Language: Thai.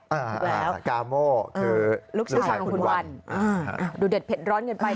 แล้วกาโม่คือลูกชายของคุณวันดูเด็ดเผ็ดร้อนเกินไป